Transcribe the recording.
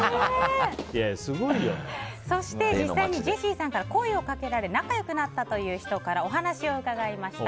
そして実際にジェシーさんから声をかけられ仲よくなった人からお話を伺いました。